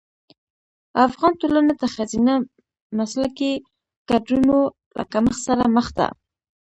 افغان ټولنه د ښځینه مسلکي کدرونو له کمښت سره مخ ده.